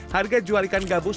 harga jual ikan gabus